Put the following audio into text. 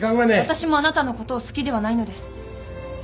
私もあなたのことを好きではないのです。